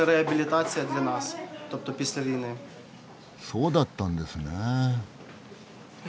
そうだったんですねえ。